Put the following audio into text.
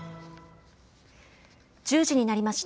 １０時になりました。